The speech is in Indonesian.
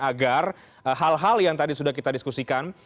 agar hal hal yang tadi sudah kita diskusikan